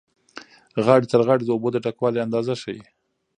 غاړې تر غاړې د اوبو د ډکوالي اندازه ښیي.